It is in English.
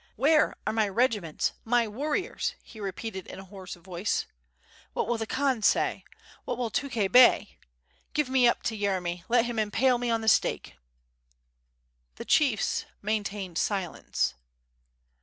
"Where are my regiments, my warriors?" he repeated in a hoarse voice. "What will the Khan say, what wiU Tukhay Bey? Give me up to Yeremy, let him impale me on the stake." The chiefs maintained silence.